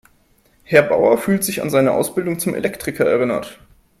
Herr Bauer fühlte sich an seine Ausbildung zum Elektriker erinnert.